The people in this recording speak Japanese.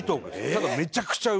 ただ。